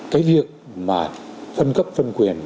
cái việc mà phân cấp phân quyền